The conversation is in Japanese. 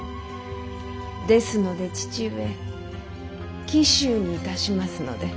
ですので父上紀州にいたしますので。